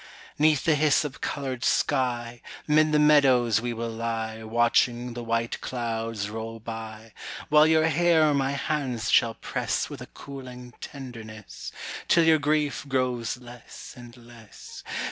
"'Neath the hyssop colored sky 'Mid the meadows we will lie Watching the white clouds roll by; "While your hair my hands shall press With a cooling tenderness Till your grief grows less and less.